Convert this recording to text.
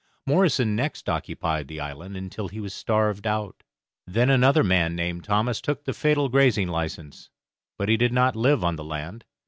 Morrison next occupied the island until he was starved out. Then another man named Thomas took the fatal grazing license, but he did not live on the land.